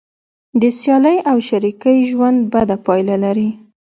د سیالۍ او شریکۍ ژوند بده پایله لري.